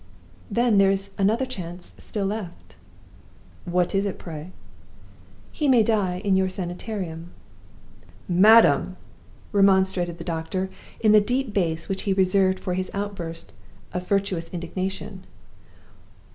"Then there is another chance still left." "What is it, pray?" "He may die in your Sanitarium." "Madam!" remonstrated the doctor, in the deep bass which he reserved for his outbursts of virtuous indignation.